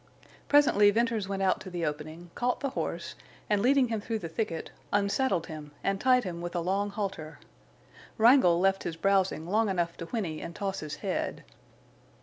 Presently Venters went out to the opening, caught the horse and, leading him through the thicket, unsaddled him and tied him with a long halter. Wrangle left his browsing long enough to whinny and toss his head.